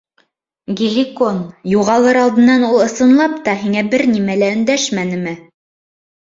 Геликон, юғалыр алдынан ул, ысынлап та, һиңә бер нимә лә өндәшмәнеме?